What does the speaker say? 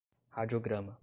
radiograma